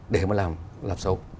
để mà làm xấu